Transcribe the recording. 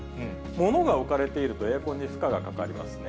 物が置かれていると、エアコンに負荷がかかりますね。